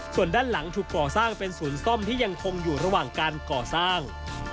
ส่วนด้านหลังถูกก่อสร้างเป็นศูนย์ซ่อมที่ยังคงอยู่ระหว่างการก่อสร้าง